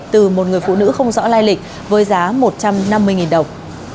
từ một người phụ nữ không rõ lai lịch với giá một trăm năm mươi đồng